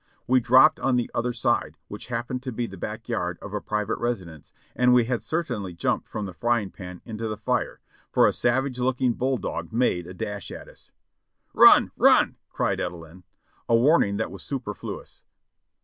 We dropped on the other side, which happened to be the backyard of a private residence, and w^e had certainly jumped from the frying pan into the fire, for a savage looking bulldog made a dash at us. "Run! Run!" cried Edelin. A warning that was superfluous.